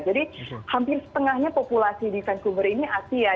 jadi hampir setengahnya populasi di vancouver ini asia